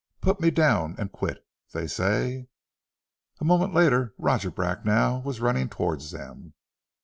Put me down and quit. They say " A moment later Roger Bracknell was running towards them.